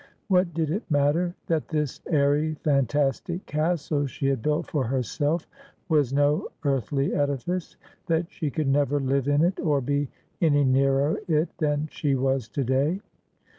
What did it matter that this airy fantastic castle she had built for herself was no earthly edifice, that she could never live in it, or be any nearer it than she was to day